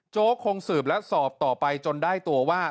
คงสืบและสอบต่อไปจนได้ตัวว่า